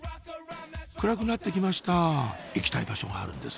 暗くなってきました行きたい場所があるんです